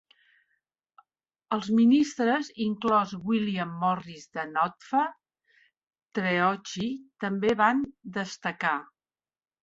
Els ministres, inclòs William Morris de Noddfa, Treorchy, també van destacar.